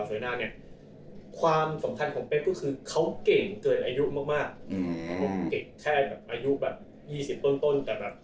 สำคัญของเพศคือเค้าเก่งเกินอายุมากเก่งแค่อายุแบบ๒๐ป้น